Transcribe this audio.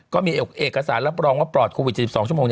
ก็มีเอกสารรับรองว่าปลอดโควิด๑๙๒ชั่วโมง